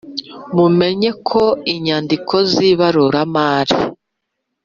Kumenya ko inyandiko z ibaruramari